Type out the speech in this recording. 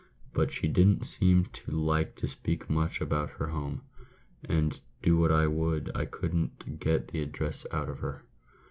But she didn't seem to like to speak much about her home ; and do what I would I couldn't get the address out of her.